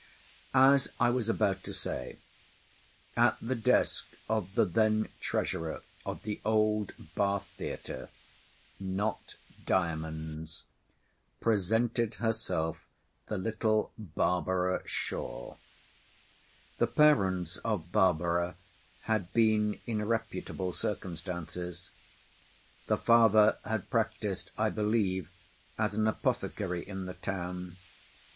As I was about to say—at the desk of the then treasurer of the old Bath theatre—not Diamond's—presented herself the little Barbara S——. The parents of Barbara had been in reputable circumstances. The father had practised, I believe, as an apothecary in the town.